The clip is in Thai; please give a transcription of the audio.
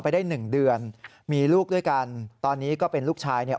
ไปได้หนึ่งเดือนมีลูกด้วยกันตอนนี้ก็เป็นลูกชายเนี่ย